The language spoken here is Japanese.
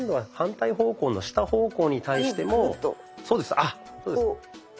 あそうです。